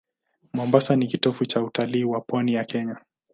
Mombasa ni kitovu cha utalii wa pwani ya Kenya.